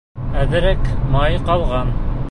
Әҙерәк майы ҡалған.